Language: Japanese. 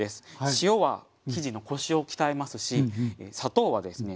塩は生地のコシを鍛えますし砂糖はですね